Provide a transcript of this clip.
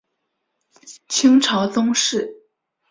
清朝宗室。